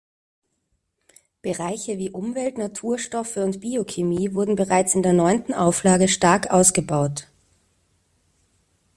Bereiche wie Umwelt, Naturstoffe oder Biochemie wurden bereits in der neunten Auflage stark ausgebaut.